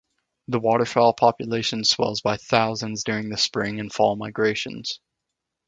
The waterfowl population swells by thousands during the spring and fall migrations.